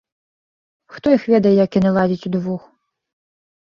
Хто іх ведае, як яны ладзяць удвух.